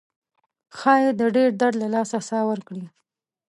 ښایي د ډیر درد له لاسه ساه ورکړي.